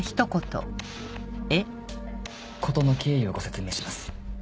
事の経緯をご説明します。